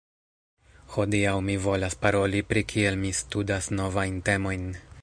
Hodiaŭ mi volas paroli pri kiel mi studas novajn temojn